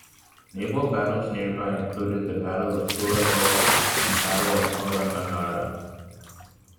Naval battles nearby included the Battle of Kula Gulf and Battle of Kolombangara.